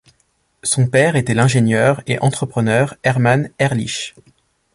Son père était l'ingénieur et entrepreneur Herman Ehrlich.